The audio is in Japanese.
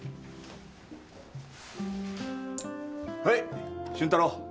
はい俊太郎。